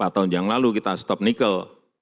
lima tahun yang lalu kita stop nikel